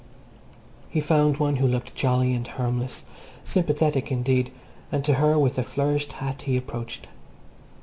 He found one who looked jolly and harmless, sympathetic indeed, and to her, with a flourished hat, he approached.